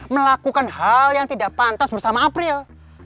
melakukan hal yang tidak pantas bersama april